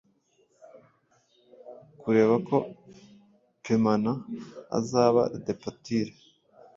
Kuberako pamanent azaba depature,